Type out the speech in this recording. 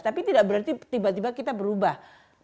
tapi tidak berarti tiba tiba kita berubah